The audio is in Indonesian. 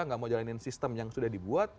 nggak mau jalanin sistem yang sudah dibuat